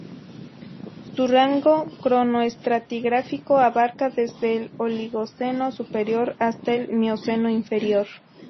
Su rango cronoestratigráfico abarca desde el Oligoceno superior hasta el Mioceno inferior.